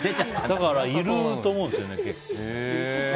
だから、いると思うんですよね。